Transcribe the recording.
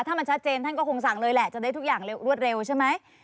ถ้ามันชัดเจนท่านก็คงสั่งเลยแหละจะได้ทุกอย่างรวดเร็วใช่ไหม